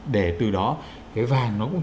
để từ đó cái vàng nó cũng